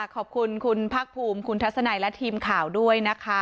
ขอบคุณคุณภาคภูมิคุณทัศนัยและทีมข่าวด้วยนะคะ